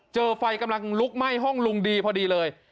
เจอไฟกำลังลุกไหม้ห้องลุงดีพอดีเลย